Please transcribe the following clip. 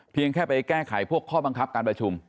แค่ไปแก้ไขพวกข้อบังคับการประชุม